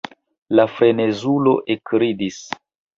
La frenezulo ekridis.